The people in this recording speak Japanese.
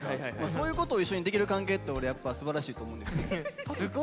そういうことを一緒にできる関係って俺やっぱすばらしいと思うんですよね。